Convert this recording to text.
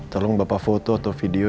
tolong bapak foto atau video